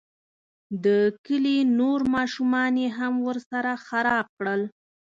د کلي نور ماشومان یې هم ورسره خراب کړل.